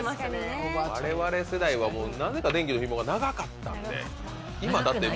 われわれ世代はなぜか電気のひもが長かったんで。